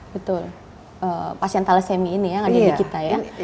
betul pasien thalassemi ini yang ada di kita ya